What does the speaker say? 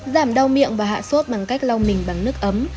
giảm đau miệng và hạ sốt bằng cách lau mình bằng nước ấm